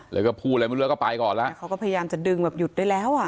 แล้วก็พูดอะไรไม่รู้ก็ไปก่อนแล้วเขาก็พยายามจะดึงแบบหยุดได้แล้วอ่ะ